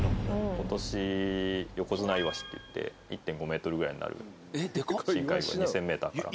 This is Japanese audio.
今年ヨコヅナイワシっていって１．５ｍぐらいになる深海魚を２０００ｍから。